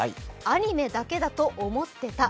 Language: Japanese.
アニメだけだと思ってた。